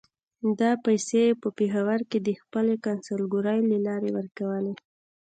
دا پیسې یې په پېښور کې د خپلې کونسلګرۍ له لارې ورکولې.